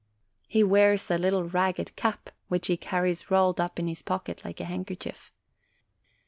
He wears a little ragged cap, which he carries rolled up in his pocket like a handkerchief.